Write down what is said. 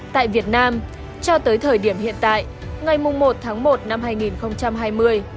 tại việt nam cho tới thời điểm hiện tại ngày một tháng một năm hai nghìn hai mươi